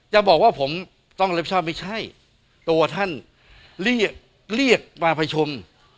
จะบอกว่าผมต้องรับผิดชอบไม่ใช่ตัวท่านเรียกเรียกมาประชุม